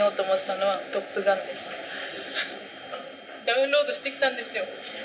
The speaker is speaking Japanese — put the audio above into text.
ダウンロードしてきたんですよ。